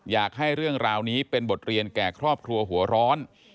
อยากให้เรื่องราวนี้เป็นบทเรียนแก่ครอบครัวหัวร้อน